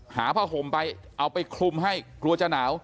หาผ้าห่มไปเอาไปคลุมให้กลัวจะหนาว